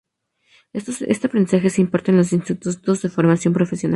Este aprendizaje se imparte en los institutos de formación profesional.